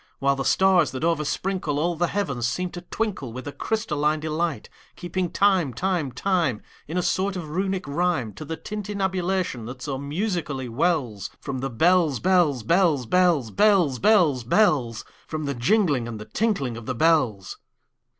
While the stars, that oversprinkleAll the heavens, seem to twinkleWith a crystalline delight; Keeping time, time, time, In a sort of Runic rhyme, To the tintinnabulation that so musically wellsFrom the bells, bells, bells, bells, Bells, bells, bells—From the jingling and the tinkling of the bells.